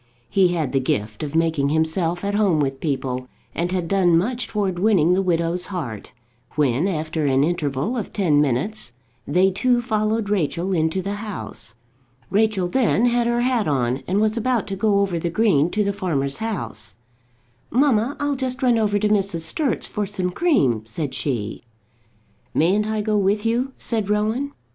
He had the gift of making himself at home with people, and had done much towards winning the widow's heart, when, after an interval of ten minutes, they two followed Rachel into the house. Rachel then had her hat on, and was about to go over the green to the farmer's house. "Mamma, I'll just run over to Mrs. Sturt's for some cream," said she. "Mayn't I go with you?" said Rowan.